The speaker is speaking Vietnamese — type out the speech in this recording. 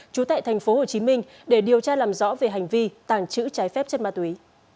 chú tại thành phố hồ chí minh để điều tra làm rõ về hành vi tàng trữ trái phép trên ma túy